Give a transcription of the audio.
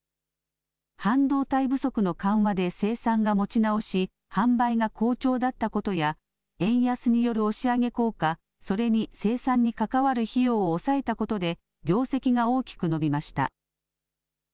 半導体不足の緩和で生産が持ち直し販売が好調だったことや円安による押し上げ効果、それに生産に関わる費用を抑えたことで業績が大きく伸びました。